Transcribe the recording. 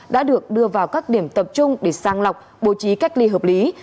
đã được đưa vào các điểm tập trung để sang lọc bố trí cách ly hợp lý